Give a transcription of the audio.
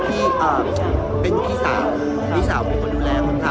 ก็เป็นพี่สาพี่สาเป็นคนดูแลคนทำ